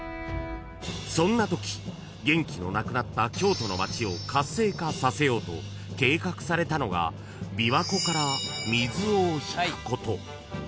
［そんなとき元気のなくなった京都の街を活性化させようと計画されたのが琵琶湖から水を引くこと］